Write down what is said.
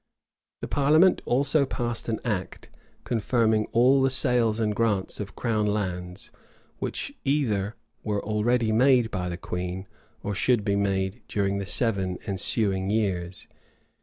The parliament also passed an act, confirming all the sales and grants of crown lands, which either were already made by the queen, or should be made during the seven ensuing years.